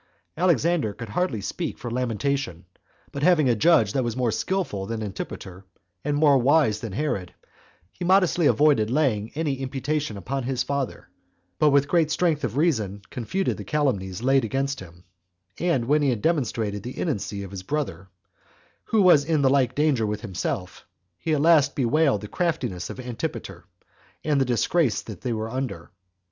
Alexander could hardly speak for lamentation; but having a judge that was more skillful than Antipater, and more wise than Herod, he modestly avoided laying any imputation upon his father, but with great strength of reason confuted the calumnies laid against him; and when he had demonstrated the innocency of his brother, who was in the like danger with himself, he at last bewailed the craftiness of Antipater, and the disgrace they were under.